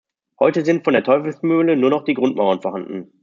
Heute sind von der Teufelsmühle nur noch die Grundmauern vorhanden.